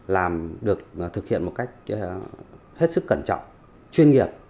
làm được thực hiện một cách hết sức cẩn trọng chuyên nghiệp